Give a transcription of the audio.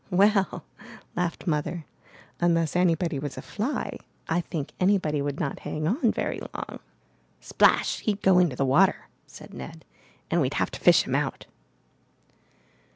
'' '*Well,'' laughed Mother, ''unless anybody was a fly, I think anybody would not hang on very long. ''Splash! he'd go into the water!" said Ned, ''and we'd have to fish him out."